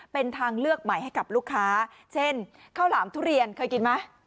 เป็นทางเลือกใหม่ให้กับลูกค้าเช่นข้าวหลามทุเรียนเคยกินไหม